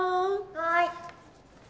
はい。